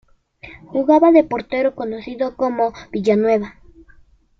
Jugaba de portero, conocido como Villanueva.